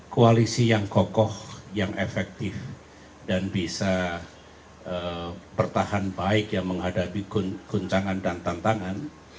koalisi yang kokoh yang efektif dan bisa bertahan baik ya menghadapi guncangan dan tantangan